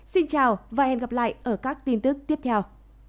xin chào và hẹn gặp lại ở các tin tức tiếp theo